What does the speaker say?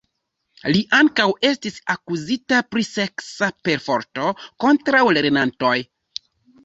Li ankaŭ estis akuzita pri seksa perforto kontraŭ lernantoj.